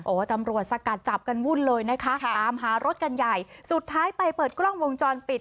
โอ้โหตำรวจสกัดจับกันวุ่นเลยนะคะตามหารถกันใหญ่สุดท้ายไปเปิดกล้องวงจรปิด